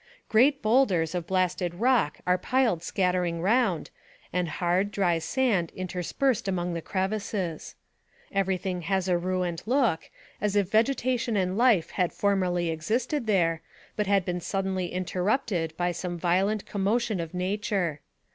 Great bowlders of blasted rock are piled scattering round, and hard, dry sand interspersed among the crevices. Every thing has a ruined look, as if vegetation and life had formerly existed there, but had been suddenly interrupted by some violent commotion of nature.